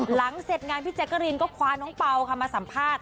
หลังเสร็จงานพี่แจ๊กกะรีนก็คว้าน้องเปล่าค่ะมาสัมภาษณ์